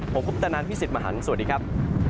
ผมคุณพุทธนานพี่สิทธิ์มหังสวัสดีครับ